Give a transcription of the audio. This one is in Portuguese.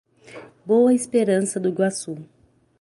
Boa Esperança do Iguaçu